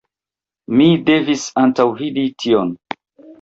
Mi devis antaŭvidi tion.